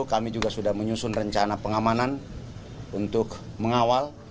kami juga sudah menyusun rencana pengamanan untuk mengawal